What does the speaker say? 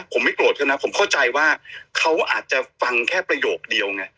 ผมไม่โกรธเขานะผมเข้าใจว่าเขาอาจจะฟังแค่ประโยคเดียวไง